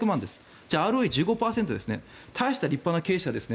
じゃあ、ＲＯＥ１５％ですね大した立派な経営者ですね。